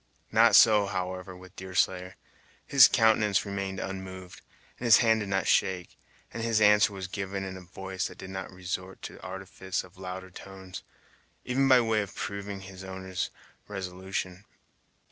Not so, however, with Deerslayer. His countenance remained unmoved; his hand did not shake, and his answer was given in a voice that did not resort to the artifice of louder tones, even by way of proving its owner's resolution.